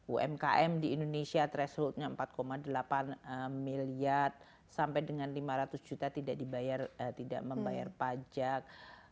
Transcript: umkm di indonesia thresholdnya empat delapan miliar sampai dengan lima ratus juta tidak membayar pajak